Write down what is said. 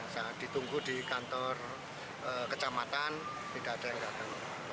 saat ditunggu di kantor kecamatan tidak ada yang datang